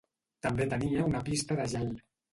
També tenia una pista de gel.